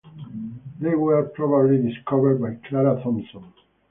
They were probably discovered by Clara Thompson.